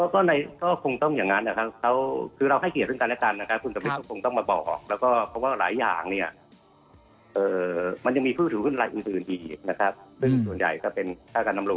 ก็คงต้องแบบนี้อย่างนั้นนะครับคุณสมฤทธิ์ห้องเครื่องการละกันคงต้องมาบอก